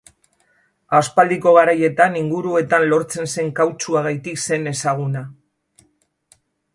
Aspaldiko garaietan, inguruetan lortzen zen kautxuagatik zen ezaguna.